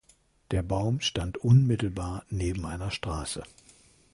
Der Baum stand unmittelbar neben einer Straße.